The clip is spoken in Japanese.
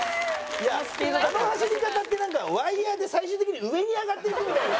いやあの走り方ってなんかワイヤで最終的に上に上がっていくみたいな。